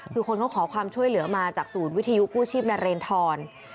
คือคนเขาขอความช่วยเหลือมาจากศูนย์วิทยุกู้ชีพนเรนทร